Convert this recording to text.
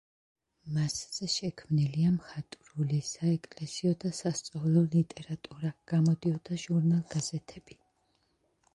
მასზე შექმნილია მხატვრული, საეკლესიო და სასწავლო ლიტერატურა, გამოდიოდა ჟურნალ-გაზეთები.